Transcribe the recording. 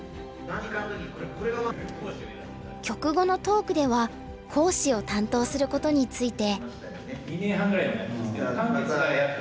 局後のトークでは講師を担当することについて。